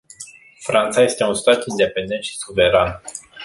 Franța este un stat independent și suveran.